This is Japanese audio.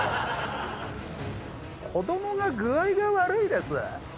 「子どもが具合が悪いです」？